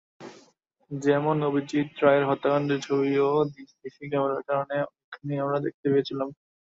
যেমন, অভিজিৎ রায়ের হত্যাকাণ্ডটির ছবিও সিসি ক্যামেরার কারণে অনেকখানি আমরা দেখতে পেয়েছিলাম।